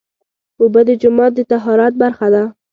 اوبه د جومات د طهارت برخه ده.